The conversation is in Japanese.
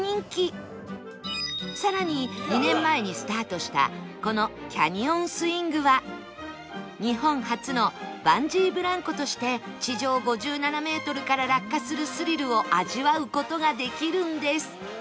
更に２年前にスタートしたこのキャニオンスイングは日本初のバンジーブランコとして地上５７メートルから落下するスリルを味わう事ができるんです